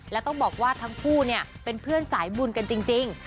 และต้องบอกว่าทั้งคู่เป็นเพื่อนสายบุญกันจริง